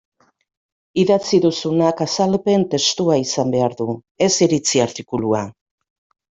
Idatzi duzunak azalpen testua izan behar du, ez iritzi artikulua.